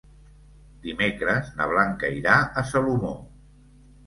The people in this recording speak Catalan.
Dimecres na Blanca irà a Salomó.